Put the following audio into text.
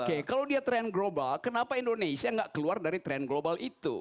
oke kalau dia trend global kenapa indonesia nggak keluar dari tren global itu